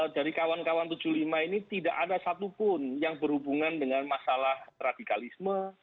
dari kawan kawan tujuh puluh lima ini tidak ada satupun yang berhubungan dengan masalah radikalisme